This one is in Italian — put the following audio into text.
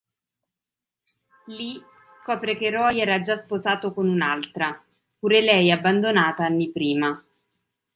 Lì, scopre che Roy era già sposato con un'altra, pure lei abbandonata anni prima.